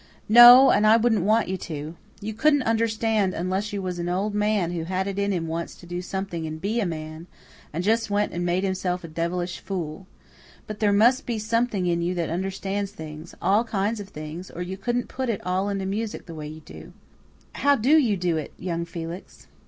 "No and I wouldn't want you to. You couldn't understand unless you was an old man who had it in him once to do something and be a MAN, and just went and made himself a devilish fool. But there must be something in you that understands things all kinds of things or you couldn't put it all into music the way you do. How do you do it? How in how DO you do it, young Felix?"